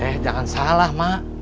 eh jangan salah mak